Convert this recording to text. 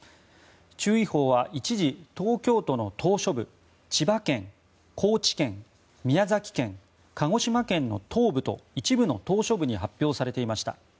注意報は一時、東京都の島しょ部千葉県、高知県、宮崎県鹿児島県の東部と一部の島しょ部に発表されていました。